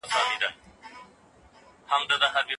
د صادراتو او وارداتو کنټرول په بهرنۍ پالیسۍ پوري اړه لري.